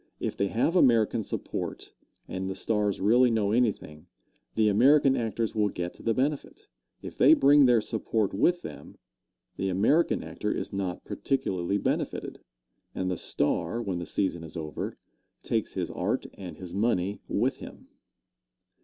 If they have American support, and the stars really know anything, the American actors will get the benefit. If they bring their support with them, the American actor is not particularly benefitted, and the star, when the season is over, takes his art and his money with him.